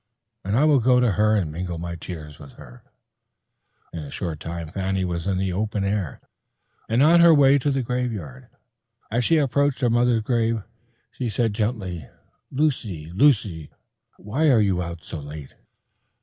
I will go to her and mingle my tears with hers." In a short time Fanny was in the open air, and on her way to the graveyard. As she approached her mother's grave, she said gently, "Luce, Luce, why are you out so late?"